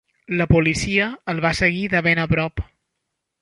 La policia el va seguir de ben a prop.